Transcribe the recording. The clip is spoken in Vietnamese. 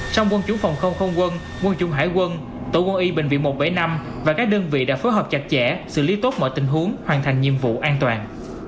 trong quân chủ phòng không không quân quân chủng hải quân tổ quân y bệnh viện một trăm bảy mươi năm và các đơn vị đã phối hợp chặt chẽ xử lý tốt mọi tình huống hoàn thành nhiệm vụ an toàn